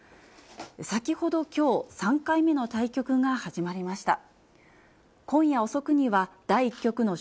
先ほど、きょう３回目の対局が始まりました。